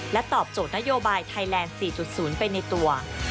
ตอบโจทย์นโยบายไทยแลนด์๔๐ไปในตัว